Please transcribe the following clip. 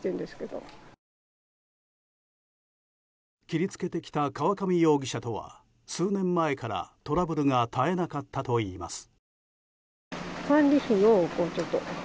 切り付けてきた河上容疑者とは数年前からトラブルが絶えなかったといいます。